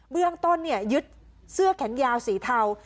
เบื้องต้นยึดเสื้อแขนยาวสีเทา